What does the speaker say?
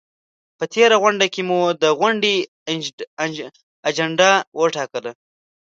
په تېره غونډه کې مو د غونډې اجنډا وټاکله؟